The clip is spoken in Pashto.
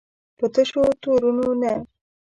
په تشو تورونو نه.